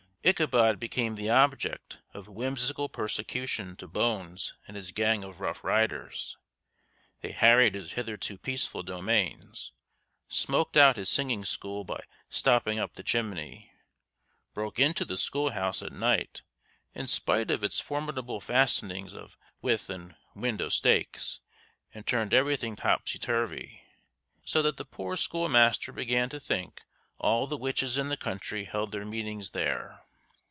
Ichabod became the object of whimsical persecution to Bones and his gang of rough riders. They harried his hitherto peaceful domains; smoked out his singing school by stopping up the chimney; broke into the schoolhouse at night in spite of its formidable fastenings of withe and window stakes, and turned everything topsy turvy; so that the poor schoolmaster began to think all the witches in the country held their meetings there.